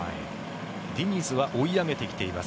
ディニズは追い上げてきています。